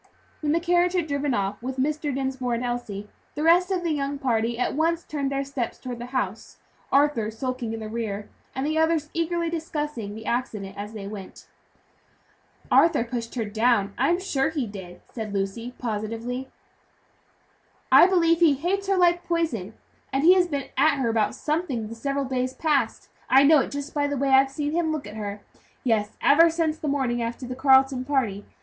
When the carriage had driven off with Mr. Dinsmore and Elsie, the rest of the young party at once turned their steps toward the house; Arthur skulking in the rear, and the others eagerly discussing the accident as they went. "Arthur pushed her down, I am sure he did," said Lucy, positively. "I believe he hates her like poison, and he has been at her about something the several days past I know it just by the way I've seen him look at her yes, ever since the morning after the Carleton party.